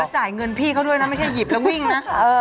อันนี้หยิบแล้วจ่ายเงินพี่เข้าด้วยนะไม่ใช่หยิบแล้ววิ่งนะ